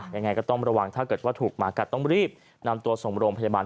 ยังไงก็ต้องระวังถ้าเกิดว่าถูกหมากัดต้องรีบนำตัวส่งโรงพยาบาล